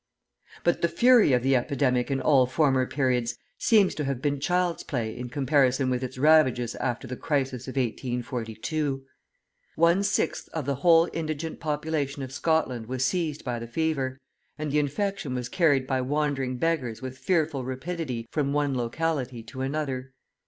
{100a} But the fury of the epidemic in all former periods seems to have been child's play in comparison with its ravages after the crisis of 1842. One sixth of the whole indigent population of Scotland was seized by the fever, and the infection was carried by wandering beggars with fearful rapidity from one locality to another.